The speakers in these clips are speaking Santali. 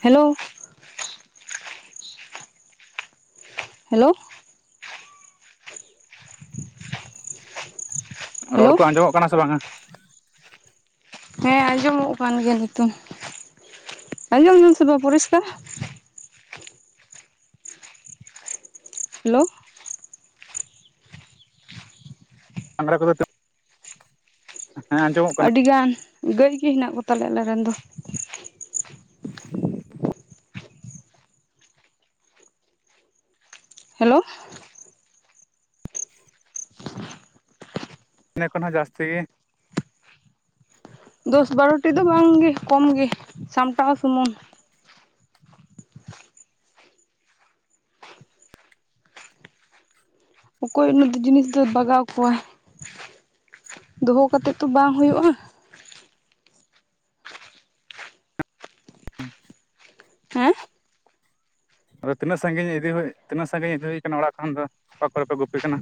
ᱦᱮᱞᱳ᱾ ᱦᱮᱞᱳ᱾ ᱨᱚᱲ ᱦᱮᱞᱳ ᱠᱚ ᱟᱸᱡᱚᱢᱚᱜ ᱠᱟᱱᱟ ᱥᱮ ᱵᱟᱝᱟ? ᱦᱮᱸ ᱟᱸᱡᱚᱢᱚᱜ ᱠᱟᱱ ᱜᱮᱭᱟ ᱱᱤᱛᱳᱝ᱾ ᱟᱸᱡᱚᱢᱮᱜ ᱟᱢ ᱥᱮ ᱵᱟᱝ ᱯᱚᱨᱤᱥᱠᱟᱨ? ᱦᱮᱞᱳ ᱟᱝᱨᱟ ᱠᱚ ᱫᱚ ᱛᱤ ᱦᱮᱸ ᱟᱸᱡᱚᱢᱚᱜ ᱠᱟᱱᱟ ᱟᱹᱰᱤ ᱜᱟᱱ ᱜᱟᱹᱭ ᱜᱮ ᱦᱮᱱᱟᱜ ᱠᱚᱛᱟᱞᱮᱭᱟ ᱟᱞᱮ ᱨᱮᱱ ᱫᱚ ᱦᱮᱞᱳ ᱤᱱᱟᱹ ᱠᱷᱚᱱ ᱦᱚᱸ ᱡᱟᱹᱥᱛᱤ ᱜᱮ, ᱫᱚᱥ ᱵᱟᱨᱚᱴᱤ ᱫᱚ ᱵᱟᱝ ᱜᱮ ᱠᱚᱢ ᱜᱮ ᱥᱟᱢᱴᱟᱣ ᱥᱩᱢᱩᱝ, ᱚᱠᱚᱭ ᱩᱱᱟᱹ ᱫᱚ ᱡᱤᱱᱤᱥ ᱫᱚᱭ ᱵᱟᱜᱟᱣ ᱠᱚᱣᱟ, ᱫᱚᱦᱚ ᱠᱟᱛᱮᱫ ᱛᱚ ᱵᱟᱝ ᱦᱩᱭᱩᱜᱼᱟ, ᱦᱮᱸ ᱟᱫᱚ ᱛᱤᱱᱟᱹᱜ ᱥᱟᱺᱜᱤ ᱤᱫᱤ ᱦᱩᱭ ᱛᱤᱱᱟᱹᱜ ᱥᱟᱺᱜᱤᱧ ᱤᱫᱤ ᱦᱩᱭ ᱛᱤᱱᱟᱹᱜ ᱠᱟᱱᱟ ᱚᱲᱟᱜ ᱠᱷᱚᱱ ᱫᱚ ᱚᱠᱟ ᱠᱚ ᱨᱮ ᱯᱮ ᱜᱩᱯᱤ ᱠᱟᱱᱟ,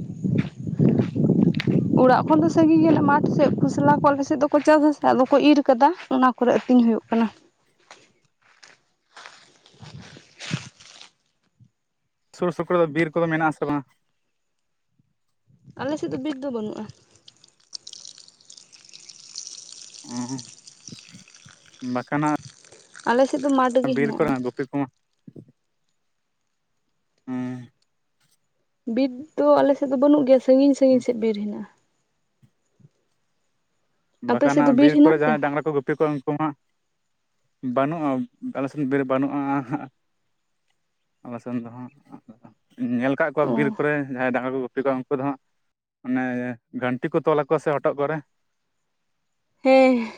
ᱚᱲᱟᱜ ᱠᱷᱚᱱ ᱫᱚ ᱥᱟᱺᱜᱤᱧ ᱜᱮᱭᱟᱞᱮ ᱢᱟᱴᱷ ᱥᱮᱫ ᱠᱷᱚᱥᱞᱟ ᱠᱚ ᱟᱞᱮ ᱥᱮᱫ ᱫᱚ ᱠᱚ ᱪᱟᱥᱟ ᱟᱥᱮ ᱟᱫᱚ ᱠᱚ ᱤᱨ ᱠᱟᱫᱟ ᱚᱱᱟ ᱠᱚ ᱨᱮ ᱟᱹᱛᱤᱧ ᱦᱩᱭᱩᱜ ᱠᱟᱱᱟ, ᱥᱩᱨ ᱥᱩᱠᱩᱨ ᱨᱮ ᱫᱚ ᱵᱤᱨ ᱠᱚ ᱫᱚ ᱢᱮᱱᱟᱜ ᱟᱥᱮ ᱵᱟᱝ -ᱟ, ᱟᱞᱮ ᱥᱮᱫ ᱫᱚ ᱵᱤᱨ ᱫᱚ ᱵᱟᱹᱱᱩᱜᱼᱟ, ᱚ ᱵᱟᱠᱷᱟᱱ ᱦᱟᱸᱜ ᱟᱞᱮ ᱥᱮᱫ ᱫᱚ ᱢᱟᱴ ᱜᱮ ᱵᱤᱨ ᱦᱮᱱᱟᱜᱼᱟ, ᱠᱚᱨᱮᱱᱟᱜ ᱜᱩᱯᱤ [inaudible] ᱦᱩᱸ ᱵᱤᱨ ᱫᱚ ᱟᱞᱮ ᱥᱮᱫ ᱫᱚ ᱵᱟᱹᱱᱩᱜ ᱜᱮᱭᱟ ᱥᱟᱺᱜᱤᱧ ᱥᱟᱺᱜᱤᱧ ᱥᱮᱫ ᱵᱤᱨ ᱦᱮᱱᱟᱜᱼᱟ, ᱟᱯᱮ ᱵᱟᱠᱷᱟᱱ ᱥᱮᱫ ᱫᱚ ᱦᱟᱸᱜ ᱵᱤᱨ ᱠᱚ ᱦᱮᱱᱟᱜ ᱨᱮ ᱛᱮ ᱡᱟᱦᱟᱸᱭ ᱰᱟᱝᱨᱟ ᱠᱚ ᱜᱩᱯᱤ ᱠᱚᱣᱟ ᱩᱱᱠᱩ ᱦᱟᱸᱜ ᱵᱟᱹᱱᱩᱜᱼᱟ ᱟᱞᱮ ᱥᱮᱱ ᱵᱤᱨ ᱵᱟᱹᱱᱩᱜᱼᱟ, ᱟᱞᱮ ᱥᱮᱱ ᱫᱚ ᱦᱟᱸᱜ, ᱧᱮᱞ ᱠᱟᱫ ᱠᱚᱣᱟ ᱚ ᱵᱤᱨ ᱠᱚ ᱨᱮ ᱡᱟᱦᱟᱸᱭ ᱰᱟᱝᱨᱟ ᱠᱚ ᱜᱩᱯᱤ ᱠᱚᱣᱟ ᱩᱱᱠᱩ ᱫᱚ ᱦᱟᱸᱜ, ᱚᱱᱮ ᱜᱷᱟᱱᱴᱤ ᱠᱚ ᱛᱚᱞᱟ ᱟᱠᱚᱣᱟ ᱥᱮ ᱦᱚᱴᱚᱜ ᱠᱚ ᱨᱮ, ᱦᱮᱸ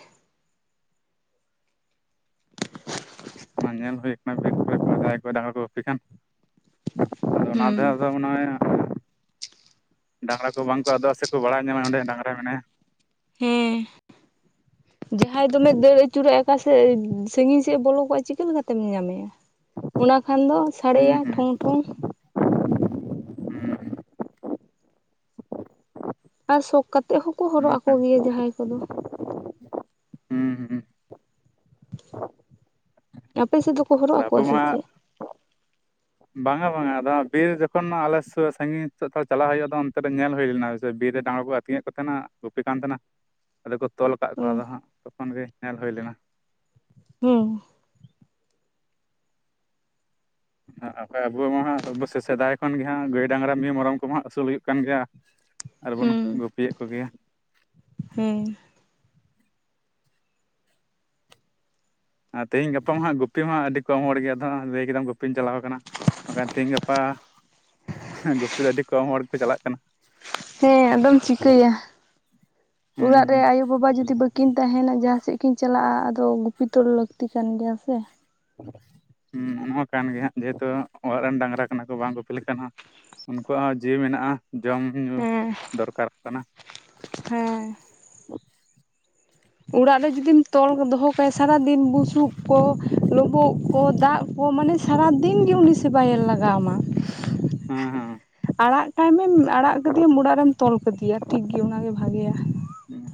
ᱚᱱᱟ ᱧᱮᱞ ᱦᱩᱭ ᱠᱟᱱᱟ ᱵᱤᱨ ᱠᱚ ᱨᱮ ᱡᱟᱦᱟᱸᱭ ᱠᱚ ᱰᱟᱝᱨᱟ ᱠᱚ ᱜᱩᱯᱤ ᱠᱷᱟᱱ, ᱟᱫᱚ ᱚᱱᱟ ᱦᱩᱸ ᱛᱮᱦᱚᱸ ᱛᱚ ᱢᱚᱱᱮ ᱦᱚᱭ, ᱰᱟᱝᱨᱟ ᱠᱚ ᱵᱟᱝ ᱠᱚ ᱟᱫᱚᱜᱼᱟ ᱥᱮ ᱠᱚ ᱵᱟᱲᱟᱭ ᱧᱟᱢᱟ ᱚᱸᱰᱮ ᱰᱟᱝᱨᱟ ᱢᱮᱱᱟᱭᱟ, ᱦᱮᱸ ᱡᱟᱦᱟᱸᱭ ᱫᱚᱢᱮ ᱫᱟᱹᱲ ᱟᱹᱪᱩᱨᱚᱜᱟᱭ ᱟᱠᱟ ᱥᱮᱫ ᱥᱟᱺᱜᱤᱧ ᱥᱮᱫ ᱮ ᱵᱚᱞᱚ ᱠᱚᱜᱟᱭ ᱪᱤᱠᱟᱹ ᱞᱮᱠᱟᱛᱮᱢ ᱧᱟᱢᱮᱭᱟ, ᱚᱱᱟ ᱠᱷᱟᱱ ᱫᱚ ᱥᱟᱲᱮᱭᱟ ᱦᱩᱸ ᱦᱩᱸ ᱴᱷᱚᱝ ᱴᱷᱚᱝ, ᱟᱨ ᱥᱚᱠ ᱠᱟᱛᱮᱫ ᱦᱚᱸ ᱠᱚ ᱦᱩᱸ ᱦᱚᱨᱚᱜ ᱟᱠᱚ ᱚᱱᱠᱟᱱ ᱜᱮᱭᱟ ᱡᱟᱦᱟᱸᱭ ᱠᱚ ᱫᱚ, ᱦᱩᱸ ᱦᱩᱸ ᱟᱯᱮ ᱥᱮᱫ ᱫᱚ ᱠᱚ ᱦᱚᱨᱚᱜ ᱟᱵᱚ ᱟᱠᱚᱣᱟ ᱥᱮ ᱢᱟ ᱦᱟᱸᱜ ᱪᱮᱫ, ᱵᱟᱝᱟ ᱵᱟᱝᱟ ᱟᱫᱚ ᱵᱤᱨ ᱡᱚᱠᱷᱚᱱ ᱟᱞᱮ ᱥᱳ ᱥᱟᱺᱜᱤᱧ ᱥᱳ ᱛᱷᱚᱲᱟ ᱪᱟᱞᱟᱜ ᱦᱳᱭᱳᱜᱼᱟ ᱟᱫᱚ ᱚᱱᱛᱮ ᱨᱮ ᱧᱮᱞ ᱦᱳᱭ ᱞᱮᱱᱟ ᱵᱤᱨ ᱨᱮ ᱰᱟᱝᱨᱟ ᱠᱚ ᱟᱛᱤ ᱟᱛᱤᱧᱮᱫ ᱠᱚ ᱛᱟᱦᱮᱱᱟ ᱜᱩᱯᱤ ᱠᱟᱱ ᱛᱟᱦᱮᱱᱟ ᱟᱫᱚ ᱠᱚ ᱛᱚᱞ ᱠᱟᱫ ᱦᱩᱸ ᱠᱚᱣᱟ ᱟᱫᱚ ᱦᱟᱸᱜ ᱛᱚᱠᱷᱚᱱ ᱜᱮ ᱧᱮᱞ ᱦᱳᱭ ᱞᱮᱱᱟ, ᱦᱩᱸ ᱟᱵᱚ ᱢᱟ ᱦᱟᱸᱜ ᱥᱮᱫᱟᱭ ᱠᱷᱚᱱ ᱜᱮ ᱦᱟᱸᱜ ᱜᱟᱹᱭ ᱰᱟᱝᱨᱟ ᱢᱤᱭᱩ ᱢᱮᱨᱚᱢ ᱠᱚ ᱢᱟᱜ ᱦᱟᱸᱜ ᱟᱹᱥᱩᱞ ᱦᱩᱭᱩᱜ ᱠᱟᱱ ᱜᱮᱭᱟ, [unintelligible] ᱟᱨ ᱵᱚᱱ ᱜᱩᱯᱤᱭᱮᱫ ᱠᱚ ᱜᱮᱭᱟ ᱦᱩᱸ ᱟᱨ ᱛᱮᱦᱤᱧ ᱜᱟᱯᱟ ᱢᱟ ᱦᱟᱸᱜ ᱜᱩᱯᱤ ᱢᱟ ᱟᱹᱰᱤ ᱠᱚᱢ ᱦᱚᱲ ᱜᱮ ᱟᱫᱚ ᱞᱟᱹᱭ ᱠᱮᱫᱟᱢ ᱜᱩᱯᱤᱢ ᱪᱟᱞᱟᱣ ᱠᱟᱱᱟ, ᱵᱟᱠᱷᱟᱱ ᱛᱮᱦᱤᱧ ᱜᱟᱯᱟ ᱜᱩᱯᱤ ᱫᱚ ᱟᱹᱰᱤ ᱠᱚᱢ ᱦᱚᱲ ᱜᱮ ᱠᱚ ᱪᱟᱞᱟᱜ ᱠᱟᱱᱟ, ᱦᱮᱸ ᱟᱫᱚᱢ ᱪᱤᱠᱟᱹᱭᱟ ᱦᱩᱸ ᱦᱩᱸ ᱚᱲᱟᱜ ᱨᱮ ᱟᱭᱳ ᱵᱟᱵᱟ ᱡᱩᱫᱤ ᱵᱟᱹᱠᱤᱱ ᱛᱟᱦᱮᱱᱟ ᱡᱟᱦᱟᱸ ᱥᱮᱫ ᱠᱤᱱ ᱪᱟᱞᱟᱜᱼᱟ ᱟᱫᱚ ᱜᱩᱯᱤᱛᱚ ᱞᱟᱹᱠᱛᱤ ᱠᱟᱱ ᱜᱮᱭᱟ ᱥᱮ, ᱦᱩ ᱚᱱᱟ ᱦᱚ ᱠᱟᱱ ᱜᱮᱭᱟ ᱡᱮᱦᱮᱛᱩ ᱚᱲᱟᱜ ᱨᱮᱱ ᱰᱟᱝᱨᱟ ᱠᱟᱱᱟ ᱠᱚ ᱵᱟᱝ ᱜᱩᱯᱤ ᱞᱮᱠᱷᱟᱱ ᱦᱚᱸ ᱩᱱᱠᱩᱣᱟᱜ ᱦᱚᱸ ᱡᱤᱣᱤ ᱢᱮᱱᱟᱜᱼᱟ ᱡᱚᱢ ᱧᱩ ᱦᱮᱸ ᱫᱚᱨᱠᱟᱨᱚᱜ ᱠᱟᱱᱟ ᱦᱮᱸ ᱚᱲᱟᱜ ᱨᱮ ᱡᱩᱫᱤᱢ ᱛᱚᱞ ᱫᱚᱦᱚ ᱠᱟᱭᱟ ᱥᱟᱨᱟ ᱫᱤᱱ ᱵᱩᱥᱩᱵ ᱠᱚ ᱞᱳᱵᱳᱜ ᱠᱚ ᱫᱟᱜ, ᱦᱚ ᱢᱟᱱᱮ ᱥᱟᱨᱟ ᱫᱤᱱ ᱜᱮ ᱩᱱᱤ ᱥᱮᱵᱟᱭᱮ ᱞᱟᱜᱟᱣᱟᱢᱟ ᱦᱮᱸ ᱦᱮᱸ ᱟᱲᱟᱜ ᱠᱟᱭ ᱢᱮ ᱟᱲᱟᱜ ᱠᱟᱮᱭᱟ ᱚᱲᱟᱜ ᱨᱮᱢ ᱛᱚᱞ ᱠᱮᱫᱮᱭᱟ ᱴᱷᱤᱠ ᱜᱮ ᱚᱱᱟ ᱜᱮ ᱵᱷᱟᱜᱮᱭᱟ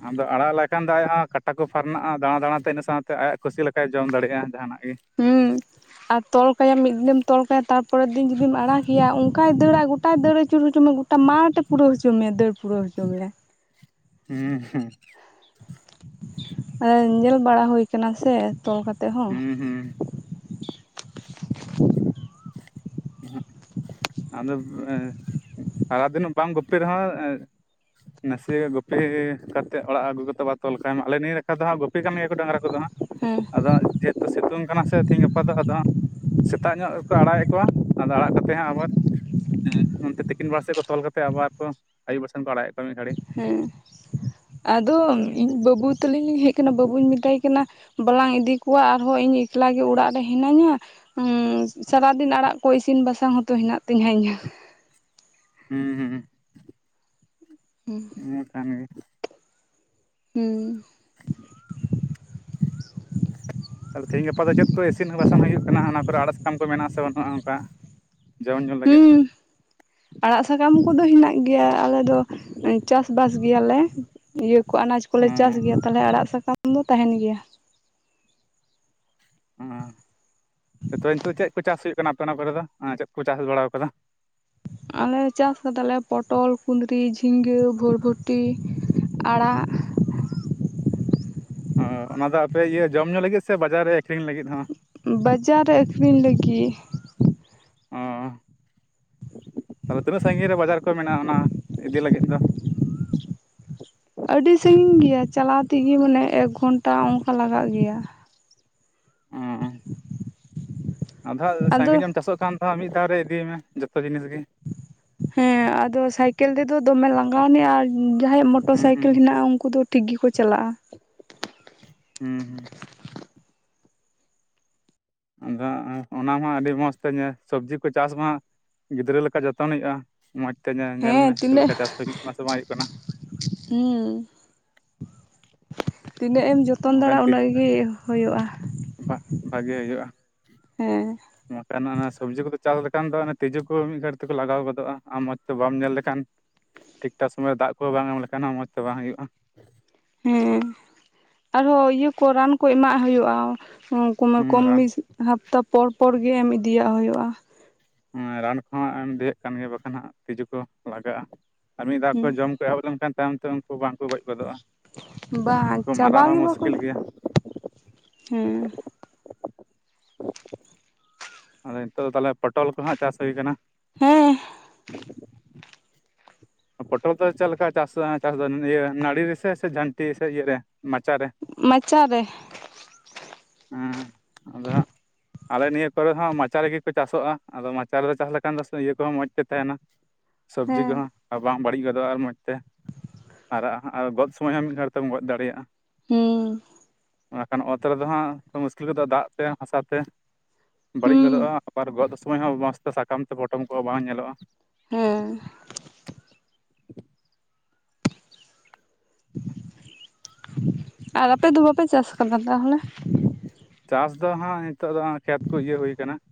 ᱟᱫᱚ ᱟᱲᱟᱜ ᱞᱮᱠᱷᱟᱱ ᱫᱚ ᱟᱡ ᱦᱚᱸ ᱠᱟᱴᱟ ᱠᱚ ᱯᱷᱟᱨᱱᱟᱜᱼᱟ ᱫᱟᱬᱟ ᱫᱟᱬᱟ ᱛᱮ ᱤᱱᱟᱹ ᱥᱟᱶ ᱛᱮ ᱟᱭᱟᱜ ᱠᱩᱥᱤ ᱞᱮᱠᱟᱭ ᱡᱚᱢ ᱫᱟᱲᱮᱭᱟᱜᱼᱟ ᱡᱟᱦᱟᱱᱟᱜ ᱜᱮ᱾ ᱦᱩᱸ ᱟᱨ ᱛᱚᱞ ᱠᱟᱭᱟᱢ ᱢᱤᱫ ᱫᱤᱱᱮᱢ ᱛᱚᱞ ᱠᱟᱭᱟ ᱛᱟᱨ ᱯᱚᱨᱮᱨ ᱫᱤᱱ ᱡᱩᱫᱤᱢ ᱟᱲᱟᱜ ᱮᱭᱟ ᱚᱱᱠᱟᱭ ᱫᱟᱹᱲ-ᱟ ᱜᱚᱴᱟᱭ ᱫᱟᱹᱲ ᱟᱹᱪᱩᱨ ᱦᱚᱪᱚ ᱢᱮᱭᱟ᱾ ᱜᱚᱴᱟ ᱢᱟᱴᱷ ᱯᱩᱨᱟᱹᱣ ᱦᱚᱪᱚ ᱢᱮᱭᱟ ᱫᱟᱹᱲ ᱯᱩᱨᱟᱹᱣ ᱦᱚᱪᱚ ᱢᱮᱭᱟ᱾ ᱦᱮᱸ ᱦᱩᱸ ᱧᱮᱞ ᱵᱟᱲᱟ ᱦᱩᱭ ᱠᱟᱱᱟ ᱥᱮ ᱛᱚᱞ ᱠᱟ ᱦᱩᱸ ᱦᱩᱸ ᱩᱦᱩᱜ ᱟᱫᱚ ᱮᱸᱻ ᱥᱟᱨᱟᱫᱤᱱᱚᱜ ᱵᱟᱝ ᱜᱩᱯᱤ ᱨᱮᱦᱚᱸ ᱱᱟᱥᱮᱭᱟᱜ ᱜᱩᱯᱤ ᱠᱟᱛᱮᱫ ᱚᱲᱟᱜ ᱟᱹᱜᱩ ᱠᱟᱛᱮ ᱵᱟ ᱛᱚᱞ ᱠᱟᱭ ᱟᱞᱮ ᱱᱤᱭᱟᱹ ᱞᱮᱠᱷᱟ ᱫᱚ ᱦᱟᱸᱜ ᱜᱩᱯᱤ ᱠᱟᱹᱢᱤᱭᱟ ᱰᱟᱝᱨᱟ ᱠᱚᱫᱚ ᱦᱟᱸᱜ ᱦᱮᱸ ᱟᱫᱚ ᱥᱤᱛᱩᱝ ᱠᱟᱱᱟ ᱥᱮ ᱛᱮᱦᱤᱧ ᱜᱟᱯᱟ ᱫᱚ ᱟᱫᱚ ᱥᱮᱛᱟᱜ ᱧᱚᱜ ᱜᱮᱠᱚ ᱟᱲᱟᱜᱮᱫ ᱠᱚᱣᱟ ᱟᱫᱚ ᱟᱲᱟᱜ ᱠᱟᱛᱮ ᱦᱟᱸ ᱟᱵᱟᱨ ᱦᱮᱸ ᱚᱱᱛᱮ ᱛᱤᱠᱤᱱ ᱵᱮᱲᱟ ᱥᱮᱫ ᱠᱚ ᱛᱚᱞ ᱠᱟᱛᱮᱮᱫ ᱟᱵᱟᱨ ᱠᱚ ᱟᱭᱩᱵ ᱵᱟ ᱥᱮᱱ ᱠᱚ ᱟᱲᱟᱜᱮᱫ ᱠᱚᱣᱟ ᱢᱤᱫ ᱜᱷᱟᱹᱲᱤ ᱦᱮᱸ ᱟᱫᱚ ᱤᱧ ᱵᱟᱹᱵᱩ ᱛᱟᱞᱤᱧ ᱞᱤᱧ ᱦᱮᱡ ᱟᱠᱟᱱᱟ ᱵᱟᱹᱵᱩᱧ ᱢᱮᱛᱟᱭ ᱠᱟᱱᱟ ᱵᱟᱞᱟᱝ ᱤᱫᱤ ᱠᱚᱣᱟ ᱟᱨ ᱦᱚᱸ ᱤᱧ ᱮᱠᱞᱟ ᱜᱮ ᱚᱲᱟᱜ ᱨᱮ ᱦᱤᱱᱟᱹᱧᱟ᱾ ᱥᱟᱨᱟᱫᱤᱱ ᱟᱲᱟᱜ ᱠᱚ ᱤᱥᱤᱱ ᱵᱟᱥᱟᱝ ᱦᱚᱸᱛᱚ ᱦᱮᱱᱟᱜ ᱛᱤᱧᱟᱹ ᱤᱧᱟᱹᱜ ᱦᱮᱸ ᱦᱩᱸ ᱦᱮᱸ ᱤᱱᱟᱹᱠᱟᱱ ᱜᱮ᱾ ᱦᱩᱸ [inaudible] ᱛᱮ ᱛᱮᱦᱤᱧ ᱜᱟᱯᱟ ᱫᱚ ᱪᱮᱫ ᱠᱚ ᱤᱥᱤᱱ ᱦᱚᱸ ᱵᱟᱥᱟᱝ ᱦᱩᱭᱩᱜ ᱠᱟᱱᱟ ᱚᱱᱟ ᱠᱚᱨᱮ ᱟᱲᱟᱜ ᱥᱟᱠᱟᱢ ᱠᱚ ᱢᱮᱱᱟᱜᱼᱟᱥᱮ ᱵᱟᱹᱱᱩᱜᱼᱟ ᱚᱱᱠᱟ ᱡᱚᱢᱚᱱ ᱡᱚᱝ ᱞᱟᱹᱜᱤᱫ ᱦᱩᱸ ᱟᱲᱟᱜ ᱥᱟᱠᱟᱢ ᱠᱚᱫᱚ ᱦᱮᱱᱟᱜ ᱜᱮᱭᱟ ᱟᱞᱮ ᱫᱚ ᱪᱟᱥᱵᱟᱥ ᱜᱮᱭᱟᱞᱮ ᱤᱭᱟᱹ ᱠᱚ ᱟᱱᱟᱡ ᱚ ᱠᱚᱞᱮ ᱪᱟᱥ ᱜᱮᱭᱟ ᱛᱟᱞᱦᱮ ᱟᱲᱟᱜ ᱥᱟᱠᱟᱢ ᱫᱚ ᱛᱟᱦᱮᱱ ᱜᱮᱭᱟ ᱦ ᱱᱤᱛᱚ ᱱᱤᱛᱚᱜ ᱪᱮᱫ ᱠᱚ ᱪᱟᱥ ᱦᱩᱭᱩᱜ ᱠᱟᱱᱟ ᱟᱯᱮ ᱚᱱᱟ ᱠᱚᱨᱮ ᱫᱚ ᱪᱮᱫ ᱠᱚ ᱪᱟᱥ ᱵᱟᱲᱟ ᱟᱠᱟᱫᱟ᱾ ᱟᱞᱮ ᱪᱟᱥ ᱟᱠᱟᱫᱟᱞᱮ ᱯᱚᱴᱚᱞ, ᱠᱩᱸᱫᱽᱨᱤ, ᱡᱷᱤᱸᱜᱟᱹ, ᱵᱷᱚᱨᱵᱷᱚᱴᱤ, ᱟᱲᱟᱜ, ᱚ ᱚᱱᱟ ᱫᱚ ᱟᱯᱮ ᱤᱭᱟᱹ ᱡᱚᱢ ᱧᱩ ᱞᱟᱹᱜᱤᱫ ᱥᱮ ᱵᱟᱡᱟᱨ ᱨᱮ ᱟᱹᱠᱷᱨᱤᱧ ᱞᱟᱹᱜᱤᱫ ᱦᱚᱸ᱾ ᱵᱟᱡᱟᱨ ᱨᱮ ᱟᱹᱠᱷᱨᱤᱧ ᱞᱟᱹᱜᱤᱫ᱾ ᱚ ᱛᱟᱦᱞᱮ ᱛᱤᱱᱟᱹᱜ ᱥᱟᱺᱜᱤᱧ ᱨᱮ ᱵᱟᱡᱟᱨ ᱠᱚ ᱢᱮᱱᱟᱜᱼᱟ᱾ ᱚᱱᱟ ᱤᱫᱤ ᱞᱟᱹᱜᱤᱫ ᱫᱚ [inaudible] ᱟᱹᱰᱤ ᱥᱟᱺᱜᱤᱧ ᱜᱮᱭᱟ ᱪᱟᱞᱟᱣ ᱛᱮᱜᱮ ᱢᱟᱱᱮ ᱮᱠ ᱜᱷᱚᱱᱴᱟ ᱚᱱᱠᱟ ᱞᱟᱜᱟᱜ ᱜᱮᱭᱟ᱾ ᱟᱫᱚ ᱦᱟᱸᱜ ᱟᱫᱚ ᱥᱟᱺᱜᱤᱧᱚᱜ ᱮᱢ ᱪᱟᱥᱚᱜ ᱠᱷᱟᱱ ᱫᱚ ᱦ ᱢᱤᱫ ᱫᱷᱟᱣ ᱨᱮ ᱤᱫᱤᱭ ᱢᱮ ᱡᱚᱛᱚ ᱡᱤᱱᱤᱥ ᱜᱮ ᱦᱮᱸ ᱟᱫᱚ ᱥᱟᱭᱠᱮᱞ ᱛᱮᱫᱚ ᱫᱚᱢᱮ ᱞᱟᱸᱟᱜᱟᱣᱱᱤᱡ ᱟᱨ ᱡᱟᱦᱟᱸᱭᱟᱜ ᱢᱚᱴᱚᱨ ᱦᱩᱸ ᱦᱩᱸ ᱥᱟᱭᱠᱮᱞ ᱦᱮᱱᱟᱜᱼᱟ ᱩᱱᱠᱩ ᱫᱚ ᱴᱷᱤᱠ ᱜᱮᱠᱚ ᱪᱟᱞᱟᱜᱼᱟ ᱦᱩᱸ ᱦᱩᱸ ᱟᱫᱚ ᱚᱱᱟ ᱢᱟ ᱟᱹᱰᱤ ᱢᱚᱸᱡᱽ ᱛᱮ ᱧᱮᱞ ᱥᱚᱵᱽᱡᱤ ᱠᱚ ᱪᱟᱥ ᱢᱟ ᱜᱤᱫᱽᱨᱟᱹ ᱞᱮᱠᱟ ᱡᱚᱛᱚᱱ ᱦᱩᱭᱩᱜᱼᱟ ᱢᱚᱸᱡᱽ ᱛᱮ ᱧ ᱧᱮᱞ ᱢᱮ ᱪᱮᱫ ᱛᱤᱱᱟᱹᱜ ᱞᱮᱠᱟ ᱪᱟᱥ ᱦᱩᱭᱩᱜ ᱠᱟᱱᱟ ᱥᱮ ᱵᱟᱝ ᱦᱩᱭᱩᱜ ᱠᱟᱱᱟ᱾ ᱦᱮᱸ ᱛᱤᱱᱟᱹᱜ ᱮᱢ ᱡᱚᱛᱚᱱ ᱚᱱᱠᱟᱱ ᱫᱟᱲᱟ ᱩᱱᱟᱹᱜ ᱜᱮ ᱦᱩᱭᱩᱜᱼᱟ᱾ ᱵᱷᱟᱜᱮ ᱦᱩᱭᱩᱜᱼᱟ ᱦᱮᱸ ᱵᱟᱠᱷᱟᱱ ᱚᱱᱟ ᱥᱚᱵᱽᱡᱤ ᱠᱚᱫᱚ ᱪᱟᱥ ᱞᱮᱠᱷᱟᱱ ᱫᱚ ᱛᱤᱡᱩ ᱠᱚ ᱢᱤᱫ ᱜᱷᱟᱹᱲᱤᱡ ᱛᱮᱠᱚ ᱞᱟᱜᱟᱣ ᱜᱚᱫᱚᱜᱼᱟ ᱟᱢ ᱢᱚᱸᱡᱽ ᱛᱮ ᱵᱟᱢ ᱧᱮᱞ ᱞᱮᱠᱷᱟᱱ ᱴᱷᱤᱠ ᱴᱷᱟᱠ ᱥᱚᱢᱚᱭ ᱫᱟᱜ ᱠᱚ ᱵᱟᱝ ᱮᱢ ᱞᱮᱠᱷᱟᱱ ᱦᱚᱸ ᱢᱚᱸᱡᱽ ᱛᱮ ᱵᱟᱝ ᱦᱩᱭᱩᱜᱼᱟ ᱾ ᱦᱮᱸ, ᱟᱨᱦᱚᱸ ᱤᱭᱟᱹ ᱠᱚ ᱨᱟᱱ ᱠᱚ ᱮᱢᱟᱜ ᱦᱩᱭᱩᱜᱼᱟ, ᱦᱮᱸ ᱠᱚᱢᱮ ᱦᱩᱸ ᱨᱟᱱ ᱠᱚᱢᱤᱥᱼᱼ ᱦᱟᱯᱛᱟ ᱯᱚᱨ ᱯᱚᱨ ᱜᱮ ᱮᱢ ᱤᱫᱤᱭᱟᱜ ᱦᱩᱭᱩᱜᱼᱟ ᱾ ᱨᱟᱱ ᱠᱚᱦᱚᱸ ᱮᱢ ᱤᱫᱤᱭᱮᱫ ᱠᱟᱱ ᱜᱮᱭᱟ ᱵᱟᱠᱷᱟᱱ ᱦᱟᱸᱜ ᱛᱤᱡᱩ ᱠᱚ ᱞᱟᱜᱟᱜᱼᱟ ᱾ ᱟᱨ ᱢᱤᱫ ᱫᱷᱟᱣ ᱠᱚ ᱦᱩᱸ ᱡᱚᱢ ᱠᱚ ᱮᱦᱚᱵ ᱞᱮᱱᱠᱷᱟᱱ ᱛᱟᱭᱚᱢ ᱛᱮ ᱩᱱᱠᱩ ᱵᱟᱝᱠᱚ ᱜᱚᱡ ᱜᱚᱫᱚᱜᱼᱟ ᱾ ᱵᱟᱝ ᱩᱱᱠᱩ ᱢᱟᱨᱟ ᱪᱟᱵᱟ ᱦᱚᱸ ᱢᱩᱥᱠᱤᱞ ᱜᱮᱭᱟ ᱾ ᱦᱩᱸ ᱟᱫᱚ ᱱᱤᱛᱚᱜ ᱫᱚ ᱛᱟᱦᱚᱞᱮ ᱯᱚᱴᱚᱞ ᱠᱚᱦᱟᱸᱜ ᱪᱟᱥ ᱦᱩᱭ ᱟᱠᱟᱱᱟ ᱾ ᱦᱮᱸ ᱯᱚᱴᱚᱞ ᱫᱚ ᱪᱮᱫ ᱞᱮᱠᱟ ᱪᱟᱥ ᱪᱟᱥ ᱫᱚ ᱤᱭᱟᱹ ᱱᱟᱹᱲᱤ ᱨᱮᱥᱮ ᱥᱮ ᱡᱷᱟᱹᱱᱴᱤ ᱥᱮ ᱤᱭᱟᱹ ᱢᱟᱪᱟᱨᱮ ᱾ ᱢᱟᱪᱟᱨᱮ ᱾ ᱩᱸ ᱟᱫᱚᱼᱼ ᱟᱞᱮ ᱱᱤᱭᱟᱹ ᱠᱚᱨᱮ ᱦᱚᱸ ᱢᱟᱪᱟ ᱨᱤᱜᱮ ᱠᱚ ᱪᱟᱥᱚᱜᱼᱟ, ᱟᱫᱚ ᱢᱟᱪᱟ ᱨᱮᱫᱚ ᱪᱟᱥ ᱞᱮᱠᱷᱟᱱ ᱫᱚ ᱤᱭᱟᱹ ᱠᱚᱦᱚᱸ ᱢᱚᱡᱽ ᱛᱮ ᱛᱟᱦᱮᱱᱟ ᱾ ᱥᱚᱵᱽᱡᱤ ᱠᱚ ᱦᱮᱸ ᱦᱚᱸᱼᱼ ᱵᱟᱝ ᱵᱟᱹᱲᱤᱡ ᱜᱚᱫᱚᱜ ᱟᱨ ᱢᱚᱸᱡᱽᱛᱮ ᱟᱨ ᱚ ᱟᱨ ᱜᱚᱫ ᱥᱚᱢᱚᱭ ᱦᱚᱸ ᱢᱤᱫ ᱜᱷᱟᱹᱲᱤ ᱛᱮᱢ ᱜᱚᱫ ᱫᱟᱲᱤᱭᱟᱜᱼᱟ ᱾ ᱦᱩᱸ ᱵᱟᱠᱷᱟᱱ ᱚᱛ ᱨᱮᱫᱚ ᱦᱟᱸᱜ ᱢᱩᱥᱠᱤᱞ ᱜᱚᱫᱚᱜᱼᱟ ᱫᱟᱜ ᱛᱮ ᱦᱟᱥᱟ ᱛᱮᱼᱼ ᱵᱟᱹᱲᱤᱡ ᱦᱩᱸ ᱜᱚᱫᱚᱜᱼᱟ, ᱟᱵᱟᱨ ᱜᱚᱫ ᱥᱚᱢᱚᱭ ᱦᱚᱸ ᱢᱚᱡᱽ ᱛᱮ ᱥᱟᱠᱟᱢ ᱛᱮ ᱯᱚᱴᱚᱢ ᱠᱚᱸ ᱵᱟᱝ ᱧᱮᱞᱚᱜᱼᱟ ᱾ ᱦᱩᱸ [unintelligible] ᱟᱨ ᱟᱯᱮ ᱫᱩ ᱵᱟᱯᱮ ᱪᱟᱥ ᱟᱠᱟᱫᱟ ᱛᱟᱦᱚᱞᱮ? ᱪᱟᱥ ᱫᱚ ᱦᱟᱜ ᱱᱤᱛᱚᱜ ᱫᱚ ᱠᱷᱮᱛ ᱠᱚ ᱤᱭᱟᱹ ᱦᱩᱭᱟ ᱠᱟᱱᱟ ᱾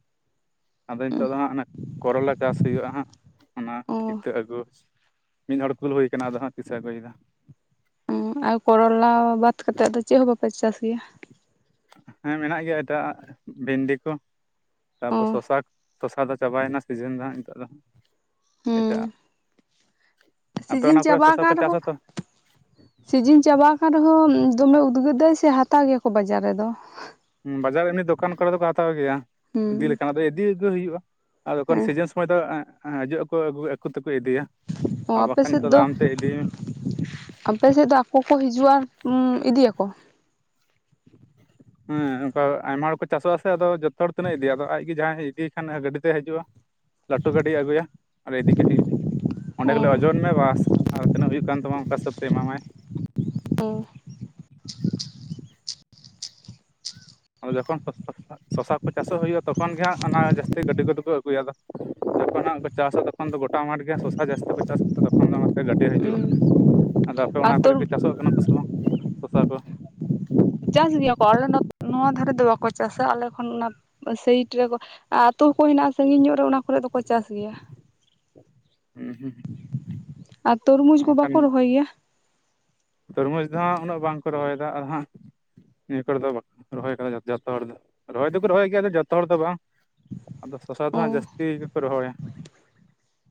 ᱟᱫᱚ ᱱᱤᱛᱚᱜ ᱫᱚ ᱦᱟᱸᱜ ᱚᱱᱟ ᱠᱚᱨᱚᱞᱟ ᱪᱟᱥ ᱦᱩᱭᱩᱜᱼᱟ ᱦᱟᱸᱜ, ᱚᱱᱟ ᱚ ᱤᱛᱟᱹ ᱟᱹᱜᱩᱼᱼ ᱢᱤᱫ ᱦᱚᱲ ᱠᱩᱞ ᱦᱩᱭ ᱠᱟᱱᱟ ᱟᱫᱚ ᱦᱟᱜᱸ ᱛᱤᱥᱮ ᱟᱹᱜᱩᱭᱫᱟ ᱾ ᱟᱨ ᱠᱚᱨᱚᱞᱟ ᱵᱟᱫᱽ ᱠᱟᱛᱮᱫ ᱫᱚ ᱪᱮᱫ ᱦᱚᱸ ᱵᱟᱯᱮ ᱪᱟᱥ ᱜᱮᱭᱟ? ᱦᱮᱸ ᱢᱮᱱᱟᱜ ᱜᱮᱭᱟ ᱮᱴᱟᱜ ᱟᱜ ᱵᱷᱤᱱᱰᱤ ᱠᱚ ᱾ ᱚ ᱛᱟᱨᱯᱚᱨ ᱥᱚᱥᱟ ᱥᱚᱥᱟ ᱫᱚ ᱪᱟᱵᱟᱭᱮᱱᱟ ᱥᱤᱡᱤᱱ ᱫᱚ ᱦᱟᱸᱜ ᱱᱤᱛᱚᱜ ᱫᱚ ᱾ ᱮᱴᱟᱜ ᱟᱜ, ᱦᱩᱸ ᱟᱯᱮ ᱥᱤᱡᱤᱱ ᱚᱱᱟ ᱠᱚᱨᱮ ᱪᱟᱵᱟ ᱥᱚᱥᱟ ᱟᱠᱟᱱ ᱠᱚ ᱪᱟᱥ ᱨᱮᱦᱚᱸ ᱟᱛᱚ? ᱥᱤᱡᱤᱱ ᱪᱟᱵᱟ ᱠᱟᱱ ᱨᱮᱦᱚᱸ ᱫᱚᱢᱮ ᱩᱫᱽᱜᱟᱹᱨᱫᱟᱭ ᱥᱮ ᱦᱟᱛᱟᱣ ᱜᱮᱭᱟ ᱠᱚ ᱵᱟᱡᱟᱨ ᱨᱮᱫᱚ ᱾ ᱦᱩᱸ ᱵᱟᱡᱟᱨ ᱮᱢᱱᱤ ᱫᱚᱠᱟᱱ ᱠᱚᱨᱮ ᱫᱚᱠᱚ ᱦᱟᱛᱟᱣ ᱜᱮᱭᱟ, ᱤᱫᱤ ᱦᱩᱸ ᱞᱮᱠᱷᱟᱱ ᱟᱫᱚ ᱤᱫᱤ ᱟᱜᱩ ᱦᱩᱭᱩᱜᱼᱟ ᱾ ᱟᱫᱚ ᱦᱮᱸ ᱥᱤᱡᱤᱱ ᱥᱚᱢᱚᱭ ᱫᱚ ᱦᱟᱡᱩᱜ ᱟᱠᱩ ᱟᱠᱩ ᱛᱮᱠᱚ ᱤᱫᱤᱭᱟ ᱚ ᱾ ᱟ ᱟᱯᱮ ᱵᱟᱠᱷᱟᱱ ᱥᱮᱫ ᱱᱤᱛᱚᱜ ᱫᱚ ᱟᱢᱛᱮ ᱤᱫᱤ ᱢᱮ ᱾ ᱟᱯᱮ ᱥᱮᱜ ᱫᱚ ᱟᱠᱚ ᱠᱚ ᱦᱤᱡᱩᱜᱼᱟ ᱤᱫᱤᱭᱟᱠᱚ ᱾ ᱦᱮᱸ ᱚᱝᱠᱟ ᱟᱭᱢᱟ ᱦᱚᱲ ᱠᱚ ᱪᱟᱥᱚᱜ ᱟ ᱥᱮ ᱟᱫᱚ ᱡᱚᱛᱚ ᱦᱚᱲ ᱛᱤᱱᱟᱹᱜ ᱤᱫᱤᱭᱟ ᱟᱫᱚ ᱟᱡᱜᱮ ᱡᱟᱦᱟᱸᱭ ᱤᱫᱤᱭᱮ ᱠᱷᱟᱱ ᱜᱟᱹᱰᱤ ᱛᱮᱭ ᱦᱟᱡᱩᱜᱼᱟ ᱾ [unintelligible] ᱞᱟᱹᱴᱩ ᱜᱟᱹᱰᱤᱭ ᱟᱹᱜᱩᱭᱟ ᱟᱨᱮ ᱤᱫᱤ ᱠᱮᱜ ᱜᱮ ᱚ ᱚᱸᱰᱮ ᱜᱮᱞᱮ ᱳᱡᱚᱱᱼᱼ ᱚᱱᱮ ᱵᱟᱥ, ᱟᱨ ᱛᱤᱱᱟᱹᱜ ᱦᱩᱭᱩᱜ ᱠᱟᱱ ᱛᱟᱢᱟ ᱚᱝᱠᱟ ᱦᱤᱥᱟᱹᱵ ᱛᱮ ᱮᱢᱟ ᱢᱟᱹᱭ ᱾ ᱚᱚ [unintelligible] ᱨᱟ ᱡᱚᱠᱷᱱ ᱯᱟᱥ ᱯᱟᱥ ᱟᱜᱼᱼ ᱥᱚᱥᱟ ᱠᱚ ᱪᱟᱥᱚᱜ ᱦᱩᱭᱩᱜᱼᱟ ᱛᱚᱠᱷᱚᱱ ᱜᱮ ᱦᱟᱸᱜ ᱚᱱᱟ ᱡᱟᱹᱥᱛᱤ ᱜᱟᱹᱰᱤ ᱠᱩ ᱫᱚ ᱟᱹᱜᱩᱭᱟᱫᱟ, ᱡᱚᱠᱷᱚᱱ ᱦᱟᱜᱸᱼᱼ ᱪᱟᱥᱼᱟ ᱛᱚᱠᱷᱚᱱ ᱫᱚ ᱜᱚᱴᱟ ᱢᱟᱴ ᱜᱮᱭᱟ ᱥᱚᱥᱟ ᱡᱟᱹᱥᱛᱤ ᱠᱚ ᱪᱟᱥᱟ ᱛᱚᱠᱷᱚᱱ ᱫᱚ ᱚᱱᱟᱛᱮ ᱜᱟᱹᱰᱤ ᱦᱟᱡᱩᱜᱼᱟ ᱦᱩᱸ ᱾ ᱟᱫᱚ ᱟᱯᱮ ᱟᱨ ᱚᱱᱟ ᱛᱚ ᱠᱚᱨᱮ ᱜᱮ ᱪᱟᱥᱚᱜ ᱠᱟᱱᱟ ᱠᱚ ᱥᱮ ᱵᱟᱝ ᱥᱚᱥᱟ ᱠᱩ? ᱪᱟᱥ ᱜᱮᱭᱟ ᱠᱚ ᱟᱞᱮ ᱱᱚᱣᱟ ᱫᱷᱟᱨᱮ ᱫᱚ ᱵᱟᱠᱚ ᱪᱟᱥᱟ ᱟᱞᱮ ᱠᱷᱚᱱ ᱚᱱᱟᱼᱼ ᱥᱟᱭᱤᱴ ᱨᱮᱠᱚ ᱟ ᱟᱛᱩ ᱠᱚ ᱦᱮᱱᱟᱜᱼᱟ ᱥᱟᱸᱜᱤᱧ ᱧᱚᱜ ᱨᱮ ᱚᱱᱟ ᱠᱚᱨᱮ ᱫᱚᱠᱚ ᱪᱟᱥ ᱜᱮᱭᱟ ᱾ ᱦᱩᱸ ᱦᱩᱸ ᱟ ᱛᱚᱨᱢᱩᱡᱽ ᱠᱚ ᱵᱟᱠᱷᱟᱱ ᱵᱟᱠᱚ ᱨᱚᱦᱚᱭ ᱜᱮᱭᱟ? ᱛᱚᱨᱢᱩᱡᱽ ᱫᱚ ᱦᱟᱸᱜ ᱩᱱᱟᱹᱜ ᱵᱟᱝᱠᱚ ᱨᱚ ᱦᱚ ᱭᱮᱫᱟ ᱟᱨ ᱦᱟᱸᱜ, ᱱᱤᱭᱟᱹ ᱠᱚᱨᱮ ᱫᱚ ᱵᱟᱠᱚ ᱨᱚᱦᱚᱭ ᱠᱟᱫᱟ ᱡᱚᱛᱚ ᱦᱚᱲ ᱫᱚ ᱨᱚᱦᱚᱭ ᱫᱚᱠᱚ ᱨᱚᱦᱚᱭ ᱜᱮᱭᱟ ᱡᱚᱛᱚ ᱦᱚᱲ ᱫᱚ ᱵᱟᱝ, ᱟᱫᱚ ᱥᱚᱥᱟ ᱫᱚ ᱚ ᱦᱟᱸᱜ ᱡᱟᱹᱥᱛᱤ ᱜᱮᱠᱚ ᱨᱚᱦᱚᱭᱟ᱾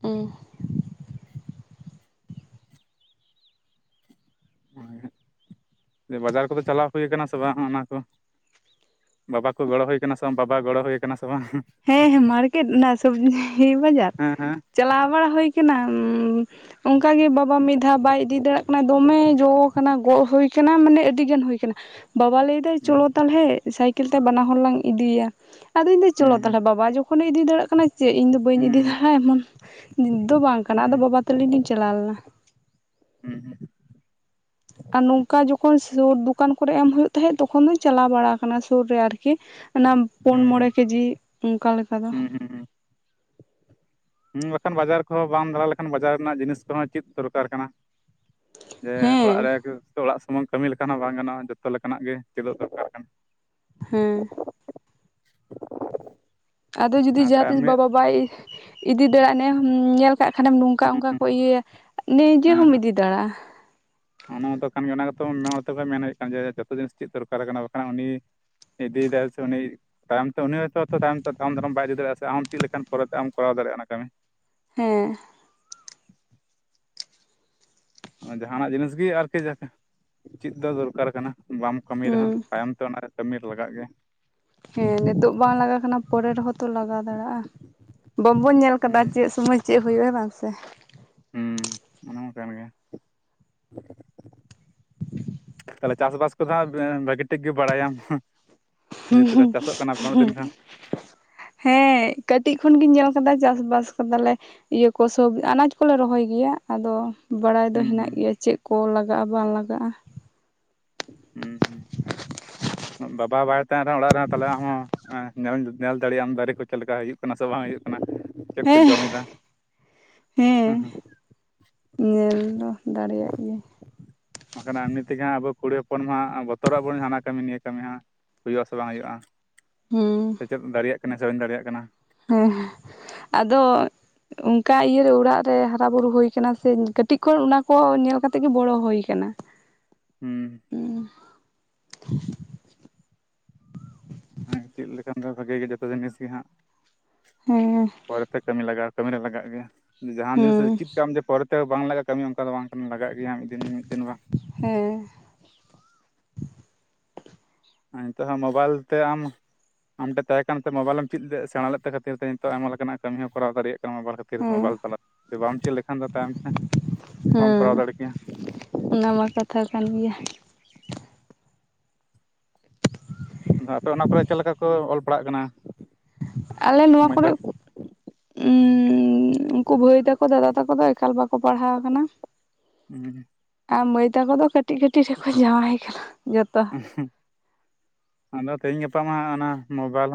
ᱩᱸ ᱚ ᱦᱮᱸᱜ ᱵᱟᱡᱟᱨ ᱠᱚᱫᱚ ᱪᱟᱞᱟᱣ ᱦᱳᱭ ᱠᱟᱱᱟ ᱥᱮ ᱵᱟᱝ ᱚᱱᱟ ᱠᱚ, ᱵᱟᱵᱟ ᱠᱚ ᱜᱚᱲᱚ ᱦᱳᱭ ᱥᱮ ᱵᱟᱝ ᱵᱟᱵᱟ ᱜᱚᱲᱚ ᱦᱳᱭ ᱠᱟᱱᱟ ᱥᱮ ᱵᱟᱝ, ᱦᱮᱸ ᱢᱟᱨᱠᱮᱴ ᱚᱱᱟ ᱥᱚᱵᱽᱡᱤ ᱵᱟᱡᱟᱨ, ᱦᱮᱸ ᱦᱮᱸ ᱪᱟᱞᱟᱣ ᱢᱟ ᱦᱩᱭ ᱠᱟᱱᱟ ᱩᱸᱻ ᱚᱝᱠᱟᱜᱮ ᱵᱟᱵᱟ ᱢᱤᱫ ᱫᱷᱟᱣ ᱵᱟᱭ ᱤᱫᱤ ᱫᱟᱲᱮᱭᱟᱜ ᱠᱟᱱᱟ ᱫᱚᱢᱮ ᱡᱚ ᱠᱟᱱᱟ ᱜᱚᱜ ᱦᱩᱭ ᱠᱟᱱᱟ ᱢᱟᱱᱮ ᱟᱹᱰᱤ ᱜᱟᱱ ᱦᱩᱭ ᱠᱟᱱᱟ᱾ ᱵᱟᱵᱟ ᱞᱟᱹᱭᱫᱟᱭ ᱦᱮᱸ ᱪᱚᱞᱚ ᱛᱟᱦᱚᱞᱮ ᱥᱟᱭᱠᱮᱞ ᱛᱮ ᱵᱟᱱᱟ ᱦᱚᱲ ᱞᱟᱝ ᱤᱫᱤᱭᱮᱭᱟ ᱟᱫᱚᱧ ᱞᱟᱭᱫᱟᱹ ᱪᱚᱞᱚ ᱦᱩᱸ ᱦᱩᱸ ᱛᱟᱦᱚᱞᱮ ᱵᱟᱵᱟ ᱡᱚ, ᱠᱷᱚᱱᱮ ᱤᱫᱤ ᱫᱟᱲᱮᱭᱟᱜ ᱠᱟᱱᱟ ᱪᱮᱜ ᱤᱧᱫᱚ ᱵᱟᱹᱧ ᱤᱫᱤ ᱦᱩᱸ ᱫᱟᱲᱤᱭᱟᱜᱼᱟ ᱮᱢᱚᱱ ᱱᱤᱛ ᱫᱚ ᱵᱟᱝ ᱠᱟᱱᱟ ᱟᱫᱚ ᱦᱩᱸ ᱵᱟᱵᱟ ᱛᱟᱞᱤᱧ ᱞᱤᱧ ᱪᱟᱞᱟᱣ ᱞᱮᱱᱟ᱾ ᱦᱩᱸ ᱦᱩᱸ ᱟᱨ ᱱᱚᱝᱠᱟ ᱡᱚᱠᱷᱚᱱ ᱥᱩᱨ ᱫᱩᱠᱟᱱ ᱠᱚᱨᱮ ᱮᱢ ᱦᱳᱭᱳᱜ ᱛᱟᱦᱮᱸᱫ ᱛᱚᱠᱷᱚᱱ ᱫᱩᱧ ᱪᱟᱞᱟᱣ ᱵᱟᱲᱟ ᱟᱠᱟᱱᱟ ᱥᱩᱨ ᱨᱮ ᱟᱨ ᱠᱤ ᱚᱱᱟ ᱯᱩᱱ ᱢᱚᱬᱮ ᱦᱩᱸ ᱠᱮᱡᱤ ᱚᱱᱠᱟ ᱞᱮᱠᱟ ᱫᱚ᱾ ᱦᱩᱸ ᱦᱩᱸ ᱦᱩᱸ ᱦᱩᱸ ᱵᱟᱠᱷᱟᱱ ᱵᱟᱡᱟᱨ ᱠᱚᱦᱚᱸ ᱵᱟᱢ ᱫᱟᱲᱟ ᱞᱮᱠᱷᱟᱱ ᱵᱟᱡᱟᱨ ᱨᱮᱱᱟᱜ ᱡᱤᱱᱤᱥ ᱠᱚᱦᱚᱸ ᱪᱮᱫ ᱫᱚᱨᱠᱟᱨ ᱠᱟᱱᱟ᱾ ᱡᱮ ᱚᱲᱟᱜ ᱦᱮᱸ ᱨᱮᱭᱟᱠᱚ, ᱛᱚ ᱚᱲᱟᱜ ᱥᱩᱢᱩᱝ ᱠᱟᱹᱢᱤ ᱞᱮᱠᱟ ᱦᱚᱸ ᱵᱟᱝ ᱜᱟᱱᱼᱟ ᱡᱚᱛᱚ ᱞᱮᱠᱟᱱᱟᱜ ᱜᱮ ᱪᱮᱫᱚᱜ ᱫᱚᱨᱠᱟᱨ ᱠᱟᱱᱟ᱾ ᱦᱮᱸ, [inaudible] ᱟᱫᱚ ᱡᱩᱫᱤ ᱦᱮᱸ ᱡᱟᱦᱟᱸ ᱛᱤᱥ ᱠᱟᱹᱢᱤ ᱵᱟᱵᱟ ᱵᱟᱭ ᱤᱫᱤ ᱫᱟᱲᱮᱭᱟᱜ ᱱᱮ ᱧᱮᱞ, ᱠᱟᱜ ᱠᱷᱟᱱᱮᱢ ᱱᱚᱝᱠᱟ ᱦᱩᱸ ᱚᱱᱠᱟ ᱦᱩᱸ ᱠᱚ ᱤᱭᱟᱹᱭᱟ ᱱᱤᱡᱮ ᱦᱮᱸ ᱦᱚᱢ ᱦᱮᱸ ᱤᱫᱤ ᱫᱟᱲᱮᱜᱼᱟ᱾ ᱚᱱᱟ ᱢᱟᱛᱚ ᱠᱟᱱ ᱜᱮ ᱚᱱᱟ ᱜᱮᱛᱚ ᱱᱮ ᱦᱚᱲ ᱢᱮᱱ ᱦᱩᱭᱩᱜ ᱠᱟᱱ ᱡᱮ ᱡᱚᱛᱚ ᱡᱤᱱᱤᱥ ᱪᱮᱫ ᱫᱚᱨᱠᱟᱨ ᱠᱟᱱᱟ ᱵᱟᱠᱷᱟᱱ ᱩᱱᱤ, ᱤᱫᱤ ᱫᱟᱭ ᱥᱮ ᱩᱱᱤ, ᱛᱟᱭᱚᱢ ᱛᱮ ᱩᱱᱤ ᱦᱚᱭᱛᱚ [unintelligible] ᱛᱟᱭᱚᱢ ᱫᱟᱨᱟᱢ ᱵᱟᱭ ᱤᱫᱤᱫᱟᱲᱮᱭᱟᱜᱼᱟ ᱥᱮ ᱟᱢ ᱪᱮᱫ ᱞᱮᱠᱟᱱ ᱯᱚᱨᱮᱛᱮ ᱟᱢ ᱠᱚᱨᱟᱣ ᱫᱟᱲᱮᱼᱟ ᱚᱱᱟ ᱠᱟᱹᱢᱤ᱾ ᱦᱮᱸ᱾ ᱚᱱᱟ ᱡᱟᱦᱟᱸᱱᱟᱜ ᱡᱤᱱᱤᱥ ᱜᱤ ᱟᱨᱠᱤ ᱡᱟ ᱪᱤᱫ ᱫᱚ ᱫᱚᱨᱠᱟᱨ ᱠᱟᱱᱟ᱾ ᱵᱟᱢ ᱠᱟᱹᱢᱤ ᱨᱮᱦᱚᱸ ᱦᱩᱸ ᱛᱟᱭᱚᱢ ᱛᱮ ᱚᱱᱟ ᱨᱮ ᱠᱟᱹᱢᱤ ᱨᱮ ᱞᱟᱜᱟᱜ ᱜᱮ᱾ ᱦᱮᱸ ᱱᱤᱛᱚᱜ ᱵᱟᱝ ᱞᱟᱜᱟ ᱠᱟᱱᱟ ᱯᱚᱨᱮ ᱨᱮᱦᱚᱸ ᱛᱚ ᱞᱟᱜᱟ ᱫᱟᱲᱟᱜᱼᱟ᱾ ᱵᱟᱹᱵᱩᱧ ᱧᱮᱞ ᱠᱟᱫᱟ ᱦᱩᱸ ᱪᱮᱫ ᱥᱚᱢᱚᱭ ᱪᱮᱫ ᱦᱩᱭᱩᱜᱼᱟ ᱵᱟᱝ ᱥᱮ, ᱦᱩᱸ ᱚᱱᱟ ᱢᱟ ᱠᱟᱱ ᱜᱮᱭᱟ᱾ ᱛᱟᱦᱚᱞᱮ ᱪᱟᱥᱵᱟᱥ ᱠᱚᱫᱚ ᱦᱟᱸᱜ ᱵᱟᱸ ᱵᱷᱟᱹᱜᱤ ᱴᱷᱤᱠ ᱜᱤ ᱵᱟᱲᱟᱭᱟᱢ, ᱡᱮᱦᱮᱛᱩ ᱪᱟᱥᱚᱜ ᱠᱟᱱᱟ ᱯᱮ ᱩᱱᱟᱹᱜ ᱫᱤᱱ ᱠᱷᱚᱱ [inaudible] ᱦᱮᱸ ᱠᱟᱹᱴᱤᱜ ᱠᱷᱚᱱ ᱜᱮᱧ ᱧᱮᱞ ᱠᱟᱫᱟ ᱪᱟᱥ ᱵᱟᱥ ᱟᱠᱟᱫᱟᱞᱮ᱾ ᱤᱭᱟᱹ ᱠᱚ ᱥᱚᱵᱤ ᱟᱱᱟᱡᱽ ᱠᱚᱞᱮ ᱨᱚᱦᱚᱭ ᱜᱮᱭᱟ ᱟᱫᱚ, ᱵᱟᱲᱟᱭ ᱫᱚ ᱦᱮᱱᱟᱜ ᱦᱩᱸ ᱜᱮᱭᱟ ᱪᱮᱫ ᱠᱚ ᱞᱟᱜᱟᱜᱼᱟ ᱵᱟᱝ ᱞᱟᱜᱟᱜᱼᱟ᱾ ᱦᱩᱸ ᱦᱩᱸ᱾ ᱵᱟᱵᱟ ᱵᱟᱭ ᱛᱟᱦᱮᱱᱟ ᱨᱮᱦᱚᱸ ᱚᱲᱟᱜ ᱨᱮᱦᱚᱸ ᱛᱟᱦᱚᱞᱮ ᱟᱢᱦᱚᱸ ᱧᱮᱞ ᱧᱮᱞ ᱫᱟᱲᱮᱭᱟᱜ ᱟᱢ ᱫᱟᱨᱮ ᱠᱚ ᱪᱮᱫ ᱞᱮᱠᱟ ᱦᱩᱭᱩᱜ, ᱭᱩᱜ ᱠᱟᱱᱟ ᱥᱮ ᱵᱟᱝ ᱦᱩᱭᱩᱜ ᱠᱟᱱᱟ ᱪᱮᱫ ᱠᱚ ᱦᱮᱸ ᱡᱚᱢᱮᱫᱟ ᱦᱮᱸ ᱦᱩᱸ ᱦᱩᱸ, ᱧᱮᱞ ᱫᱚ ᱫᱟᱲᱮᱭᱟᱜ ᱜᱤᱭᱟᱹᱧ᱾ ᱵᱟᱝᱠᱷᱟᱱ ᱮᱢᱱᱤ ᱛᱮᱜᱮᱟᱸ ᱟᱵᱚ ᱠᱩᱲᱤ ᱦᱚᱯᱚᱱ ᱢᱟ ᱵᱚᱛᱚᱨᱚᱜ ᱵᱚᱱ ᱦᱟᱱᱟ ᱠᱟᱹᱢᱤ ᱱᱤᱭᱟᱹ ᱠᱟᱹᱢᱤ ᱦᱟᱸᱜ᱾ ᱦᱩᱭᱩᱜ ᱟᱥᱮ ᱵᱟᱝ ᱦᱩᱭᱩᱜᱼᱟ ᱦᱩᱸ ᱥᱮᱪᱮᱫ ᱫᱟᱲᱮᱭᱟᱜ ᱠᱟᱱᱟ ᱥᱮ ᱵᱟᱹᱧ ᱫᱟᱲᱮᱭᱟᱜ ᱠᱟᱱᱟ, ᱦᱮᱸ ᱟᱫᱚ, ᱚᱝᱠᱟ ᱤᱭᱟᱹᱨᱮ ᱚᱲᱟᱜ ᱨᱮ ᱦᱟᱨᱟ ᱵᱩᱨᱩ ᱦᱩᱭ ᱠᱟᱱᱟ ᱥᱮ ᱠᱟᱹᱴᱤᱡ ᱠᱷᱚᱱ ᱚᱱᱟ ᱠᱚ ᱧᱮᱞ ᱠᱟᱛᱮᱜ ᱜᱮ ᱵᱚᱲᱚ ᱦᱩᱭ ᱠᱟᱱᱟ᱾ [unintelligible] ᱦᱩᱸ᱾ ᱦᱩᱸ᱾ ᱚᱱᱮ ᱪᱮᱫ ᱞᱮᱠᱷᱟᱱ ᱫᱚ ᱵᱷᱟᱜᱮ ᱜᱮ ᱡᱚᱛᱚ ᱡᱤᱱᱤᱥ ᱜᱮ ᱦᱟᱸᱜ ᱦᱮᱸ᱾ ᱯᱚᱨᱮᱛᱮ ᱠᱟᱹᱢᱤ ᱞᱟᱜᱟᱜᱼᱟ ᱠᱢᱤᱤ ᱨᱮ ᱞᱟᱜᱟᱜ ᱜᱮᱭᱟ, ᱡᱟᱦᱟᱸᱱ ᱡᱤᱱᱤᱥ ᱦᱮᱸ ᱪᱮᱫ ᱠᱟᱜᱢ ᱡᱮ ᱯᱚᱨᱮ ᱛᱮ ᱵᱟᱝ ᱞᱟᱜᱟᱜᱼᱟ ᱠᱟᱹᱢᱤ ᱚᱝᱠᱟ ᱫᱚ ᱵᱟᱝ ᱠᱟᱱᱟ, ᱞᱟᱜᱟᱜ ᱜᱮᱭᱟ ᱢᱤᱫ ᱫᱤᱱ ᱢᱤᱫ ᱫᱤᱱ ᱵᱟᱝ᱾ ᱦᱮᱸ᱾ ᱱᱤᱛᱚᱜ ᱦᱚᱸ ᱢᱳᱵᱟᱭᱤᱞ ᱛᱮ ᱟᱢ ᱟᱢ ᱴᱷᱮᱱ ᱛᱟᱦᱮᱸ ᱠᱟᱱᱛᱮ ᱢᱳᱵᱟᱭᱤᱞ ᱮᱢ ᱪᱮᱫ ᱞᱮᱫ ᱥᱮᱬᱟ ᱞᱮᱫ ᱛᱮ ᱠᱷᱟᱹᱤᱨ ᱛᱮ ᱱᱤᱛᱚᱜ ᱟᱭᱢᱟ ᱞᱮᱠᱟᱱᱟᱜ ᱠᱟᱹᱢᱤ ᱦᱚᱸ ᱠᱚᱨᱟᱣ ᱫᱟᱲᱭᱟᱜ ᱠᱟᱱᱟ ᱢᱳᱵᱟᱭᱤᱞ ᱠᱷᱟ ᱛᱤᱨ ᱨᱮ ᱦᱮᱸ ᱢᱳᱵᱟᱭᱤᱞ ᱛᱟᱞᱟ ᱵᱟᱢ ᱪᱮᱫ ᱞᱮᱠᱷᱟᱱ ᱫᱚ ᱛᱟᱭᱚᱢ ᱛᱮ ᱵᱟᱢ ᱠᱚᱨᱟᱣ ᱦᱮᱸ ᱫᱟᱲᱮ ᱠᱮᱭᱟ᱾ ᱚᱱᱟ ᱢᱟ ᱠᱟᱛᱷᱟ ᱠᱟᱱ ᱜᱮᱭᱟ᱾ ᱟᱫᱚ ᱟᱯᱮ ᱚᱱᱟ ᱠᱚᱨᱮ ᱪᱮᱫ ᱞᱮᱠᱟ ᱠᱚ ᱚᱞ ᱯᱟᱲᱦᱟᱜ ᱠᱟᱱᱟ? ᱟᱞᱮ ᱱᱚᱣᱟ ᱢᱟᱹᱭ ᱠᱚᱨᱮᱜ ᱵᱟᱹᱵᱩ ᱩᱸ ᱩᱝᱠᱩ ᱵᱷᱟᱹᱭ ᱛᱟᱠᱚ ᱫᱟᱫᱟ ᱛᱟᱠᱚ ᱫᱚ ᱮᱠᱟᱞ ᱵᱟᱠᱚ ᱯᱟᱲᱦᱟᱣ ᱠᱟᱱᱟ᱾ ᱩᱸ᱾ ᱟᱨ ᱢᱟᱹᱭ ᱛᱟᱠᱚ ᱫᱚ ᱠᱟᱹᱴᱤᱡ ᱠᱟᱹᱴᱤᱡ ᱨᱮᱠᱚ ᱡᱟᱶᱟᱭ ᱠᱟᱱᱟ᱾ ᱡᱚᱛᱚ ᱟᱫᱚ ᱛᱮᱦᱤᱧ ᱜᱟᱯᱟ ᱢᱟ ᱚᱱᱟ ᱢᱳᱵᱟᱭᱤᱞ ᱦᱚᱸ